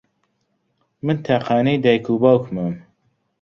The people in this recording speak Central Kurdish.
من تاقانەی دایک و باوکمم.